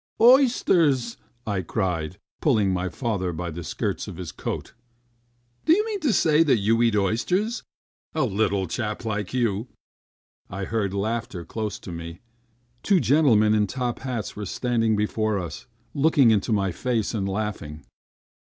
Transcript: "Oysters!" I cried, pulling my father by the skirts of his coat. "Do you mean to say you eat oysters? A little chap like you!" I heard laughter close to me. Two gentlemen in top hats were standing before us, looking into my face and laughing.